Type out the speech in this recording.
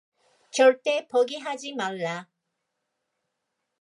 절대 포기하지 말라.